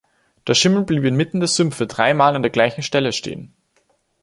Der Schimmel blieb inmitten der Sümpfe dreimal an der gleichen Stelle stehen.